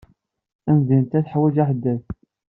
Tamdint-a teḥwaj aḥeddad.